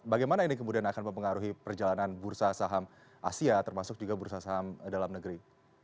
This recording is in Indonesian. bagaimana ini kemudian akan mempengaruhi perjalanan bursa saham asia termasuk juga bursa saham dalam negeri